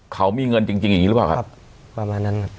เขามีเงินจริงจริงอย่างงี้หรือเปล่าครับประมาณนั้นครับ